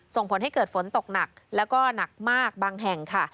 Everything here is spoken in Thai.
ส่งผลให้เกิดฝนตกหนักแล้วก็หนักมากบางแห่งค่ะ